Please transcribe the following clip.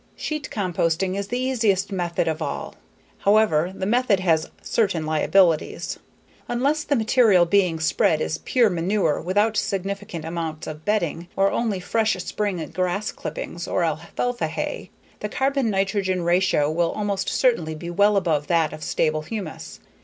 Sheet composting is the easiest method of all. However, the method has certain liabilities. Unless the material being spread is pure manure without significant amounts of bedding, or only fresh spring grass clippings, or alfalfa hay, the carbon nitrogen ratio will almost certainly be well above that of stable humus.